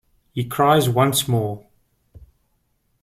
He cries once more.